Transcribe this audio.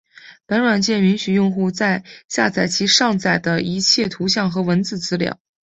本软件允许用户在下载其上载的一切图像和文字资料。